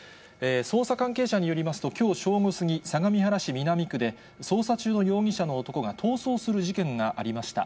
捜査関係者によりますと、きょう正午過ぎ、相模原市南区で、捜査中の容疑者の男が逃走する事件がありました。